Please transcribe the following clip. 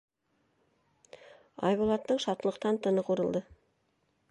Айбулаттың шатлыҡтан тыны ҡурылды.